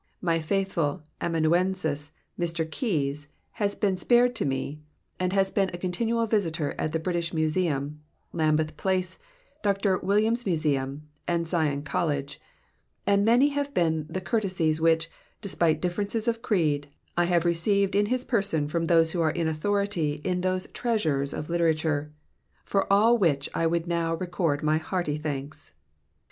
My faithful amanuensis, Mr. Keys, has been spared to me, and has been a continual visitor at the British Museum, Lambeth Palace, Dr. Williams' Museum, and Sion College ; and many have been the courtesies which, despite differences of creed, 1 have received in his person from those who are in authority in those treasures of literature ; for all which I would now record my hearty thanks.